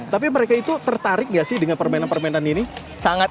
tapi mereka itu tertarik gak sih dengan permainan permainan ini